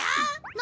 何？